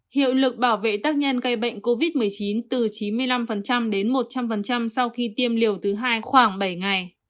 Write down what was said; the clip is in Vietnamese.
hiệu lực bảo vệ tác nhân gây bệnh covid một mươi chín từ chín mươi năm đến một trăm linh sau khi tiêm liều thứ hai khoảng bảy ngày